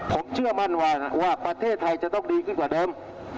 ผมเชื่อมั่นว่าประเทศไทยจะต้องดีขึ้นกว่าเดิม